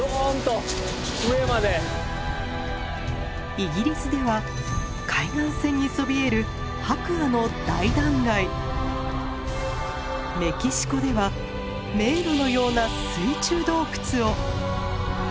イギリスでは海岸線にそびえるメキシコでは迷路のような水中洞窟を。